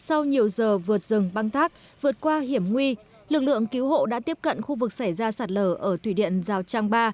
sau nhiều giờ vượt rừng băng thác vượt qua hiểm nguy lực lượng cứu hộ đã tiếp cận khu vực xảy ra sạt lở ở thủy điện rào trang ba